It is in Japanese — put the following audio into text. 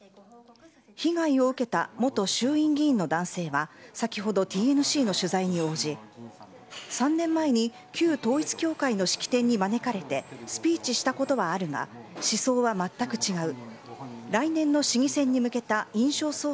被害を受けた元衆院議員の男性は先程来ＴＮＣの取材に応じ３年前に旧統一教会の式典に招かれてスピーチしたことはあるが思想はまったく違う。